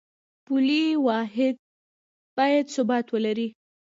پولي واحد باید ثبات ولري